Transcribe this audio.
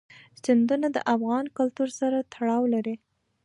سیندونه د افغان کلتور سره تړاو لري.